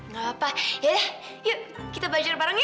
gak apa apa ya udah yuk kita bajer bareng yuk